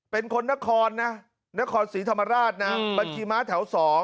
เป็นคนนครนะนครศรีธรรมราชนะบัญชีม้าแถว๒